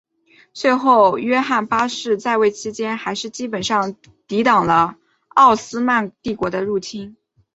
最后约翰八世在位期间还是基本上抵挡住了奥斯曼帝国的入侵。